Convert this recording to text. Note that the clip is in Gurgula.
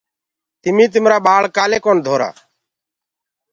تمي تمرآ ٻآݪ ڪآلي ڪونآ ڌنٚورآ۔